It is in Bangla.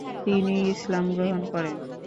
তিনি ইসলাম গ্রহণ করেন।